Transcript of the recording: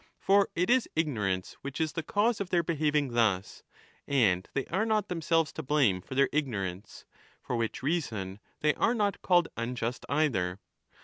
For it is ignorance which is the cause of their behaving thus, and they are not themselves to blame for their ignorance, for which reason they are not called unjust either.